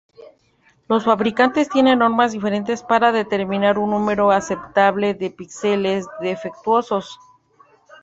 Los fabricantes tienen normas diferentes para determinar un número aceptable de píxeles defectuosos.